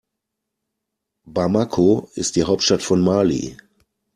Bamako ist die Hauptstadt von Mali.